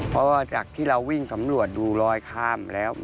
เพราะว่าจากที่เราวิ่งสำรวจดูรอยข้ามแล้ว